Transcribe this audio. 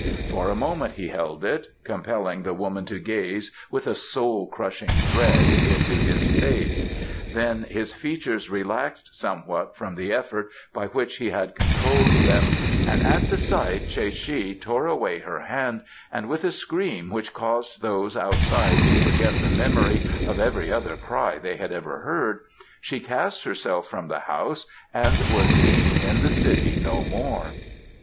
For a moment he held it, compelling the woman to gaze with a soul crushing dread into his face, then his features relaxed somewhat from the effort by which he had controlled them, and at the sight Tsae che tore away her hand and with a scream which caused those outside to forget the memory of every other cry they had ever heard, she cast herself from the house and was seen in the city no more.